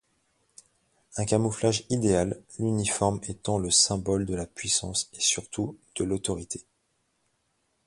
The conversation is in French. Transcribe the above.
Un camouflage idéal, l'uniforme étant le symbole de la puissance et surtout de l'autorité.